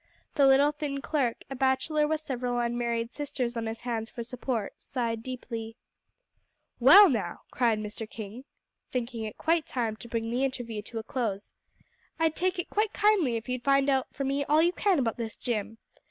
The little, thin clerk, a bachelor with several unmarried sisters on his hands for support, sighed deeply. "Well, now," cried Mr. King, thinking it quite time to bring the interview to a close, "I'd take it quite kindly if you'd find out for me all you can about this Jim.